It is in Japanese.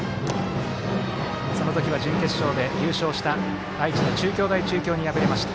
その時は準決勝で優勝した愛知の中京大中京に破れました。